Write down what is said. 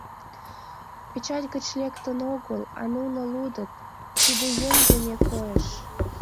Печать гыч лектын огыл, а нуно лудыт, тиде йӧндымӧ койыш.